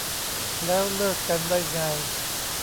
แล้วเลิกกันได้ไง